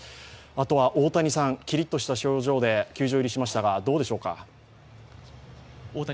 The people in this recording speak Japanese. あとは大谷さん、きりっとした表情で球場入りしましたがどうでしょうか。